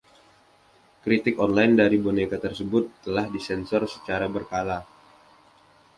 Kritik online dari boneka tersebut telah disensor secara berkala.